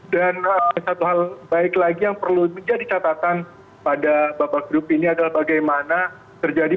dan satu hal baik lagi yang perlu menjadi catatan pada babak grup ini adalah bagaimana terjadi perkembangan